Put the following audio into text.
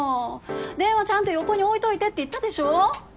電話ちゃんと横に置いといてって言ったでしょ？